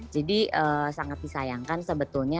jadi sangat disayangkan sebetulnya